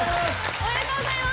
おめでとうございます！